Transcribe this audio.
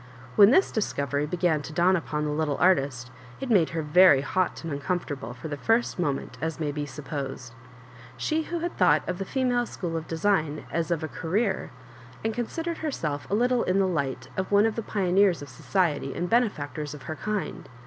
When this discovery began to dawn upon the little artist, it made her very hot and uncom fortable for the first moment, as may be supposed. She who had thou^^ht of the Female School of Design as of a Career, and considered herself a little in the light of one of the pioneers of society and bene&ctors of her kind